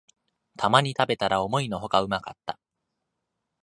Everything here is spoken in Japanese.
たまに食べたら思いのほかうまかった